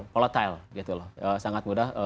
volatile gitu loh sangat mudah